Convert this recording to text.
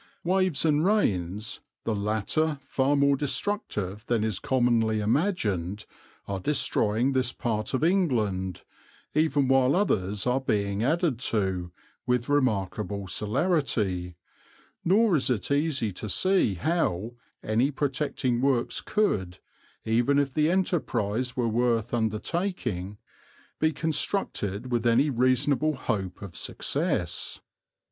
Waves and rains the latter far more destructive than is commonly imagined are destroying this part of England, even while others are being added to, with remarkable celerity, nor is it easy to see how any protecting works could, even if the enterprise were worth undertaking, be constructed with any reasonable hope of success.